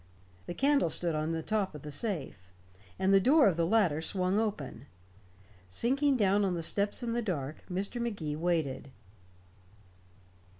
The candle stood on the top of the safe, and the door of the latter swung open. Sinking down on the steps in the dark, Mr. Magee waited.